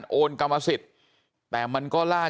บอกแล้วบอกแล้วบอกแล้ว